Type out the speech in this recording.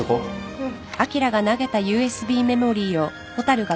うん。